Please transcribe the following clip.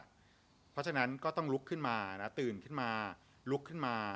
เพราะฉะนั้นก็ต้องลุกขึ้นมาตื่นขึ้นมา